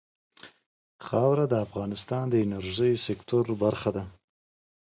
خاوره د افغانستان د انرژۍ سکتور برخه ده.